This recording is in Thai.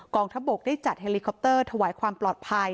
งทัพบกได้จัดเฮลิคอปเตอร์ถวายความปลอดภัย